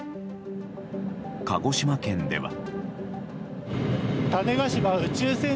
鹿児島県では。